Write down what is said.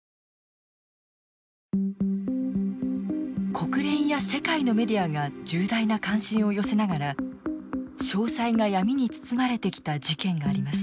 国連や世界のメディアが重大な関心を寄せながら詳細が闇に包まれてきた事件があります。